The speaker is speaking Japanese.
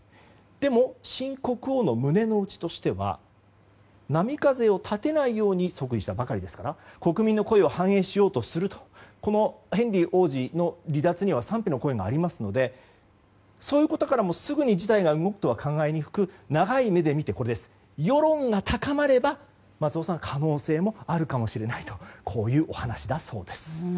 でも、新国王の胸の内としては波風を立てないように即位したばかりですから国民の声を反映しようとするとヘンリー王子の離脱には賛否の声がありますのでそういうことからもすぐに事態が動くとは考えにくく長い目で見て世論が高まれば、松尾さん可能性もあるかもしれないというお話だそうです。